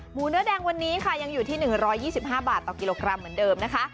เนื้อแดงวันนี้ค่ะยังอยู่ที่๑๒๕บาทต่อกิโลกรัมเหมือนเดิมนะคะ